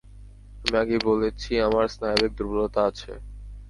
আমি আগেই বলেছি আমার স্নায়বিক দুর্বলতা আছে।